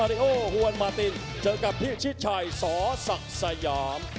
ไอโอฮวันมาตินเจอกับพี่ชิชัยสอสักสยาม